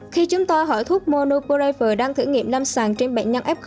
khi chúng tôi hỏi thuốc monoprever đang thử nghiệm năm sàng trên bệnh nhân f